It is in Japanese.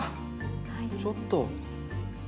ちょっと。